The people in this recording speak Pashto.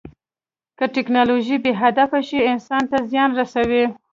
که ټیکنالوژي بې هدفه شي، انسان ته زیان رسوي.